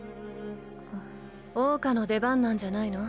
桜花の出番なんじゃないの？